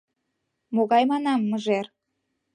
— Могай, манам, мыжер?